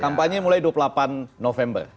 kampanye mulai dua puluh delapan november